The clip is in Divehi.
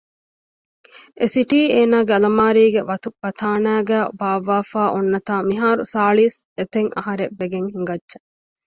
އެ ސިޓީ އޭނާގެ އަލަމާރީގެ ވަތުބަތާނައިގައި ބާއްވާފައި އޮންނަތާ މިހާރު ސާޅިސް އެތައް އަހަރެއް ވެގެން ހިނގައްޖެ